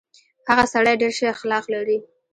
هغه سړی ډېر شه اخلاق لري.